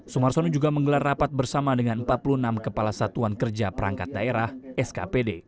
sumarsono juga menggelar rapat bersama dengan empat puluh enam kepala satuan kerja perangkat daerah skpd